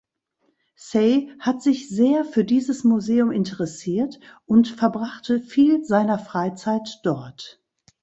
Say hat sich sehr für dieses Museum interessiert und verbrachte viel seiner Freizeit dort.